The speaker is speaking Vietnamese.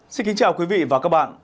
xin kính chào quý vị và các bạn